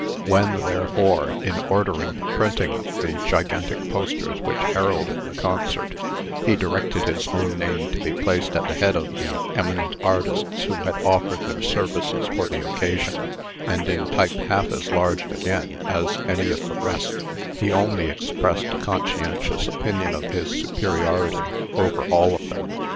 When, therefore, in ordering the printing of the gigantic posters which heralded the concert, he directed his own name to be placed at the head of the "eminent artists who had offered their services for the occasion," and in type half as large again as any of the rest, he only expressed a conscientious opinion of his superiority over all of them.